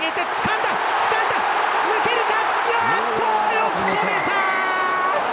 よく止めた！